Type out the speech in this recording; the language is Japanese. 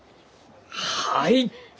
はい！